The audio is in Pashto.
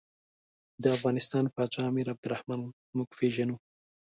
د افغانستان پاچا امیر عبدالرحمن موږ پېژنو.